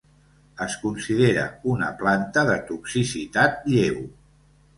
Es considera una planta de toxicitat lleu.